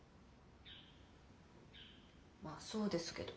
まあそうですけど。